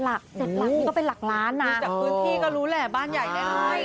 หลัก๗หลักนี่ก็เป็นหลักล้านนะดูจากพื้นที่ก็รู้แหละบ้านใหญ่แน่